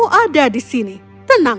yang statis goes men